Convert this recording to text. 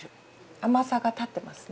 甘さが立ってますね。